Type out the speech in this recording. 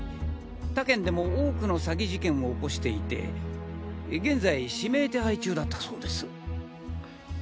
他県でも多くの詐欺事件を起こしていて現在指名手配中だったそうです！